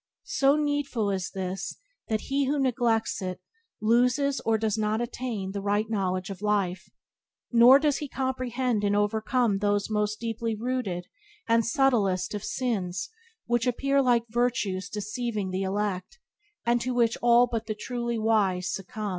So needful is this that he who neglects it loses or does not attain the right knowledge of life; nor does he comprehend and overcome those most deeply rooted and subtlest of sins which appear like virtues deceiving the elect, and to which all but the truly wise succumb.